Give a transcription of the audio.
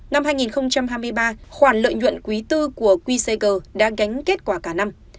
năm hai nghìn hai mươi ba khoản lợi nhuận quý tư của qcg đã gánh kết quả cả năm